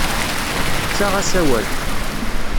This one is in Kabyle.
Tettaɣ-as awal.